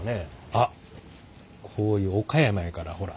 あっこういう岡山やからほら。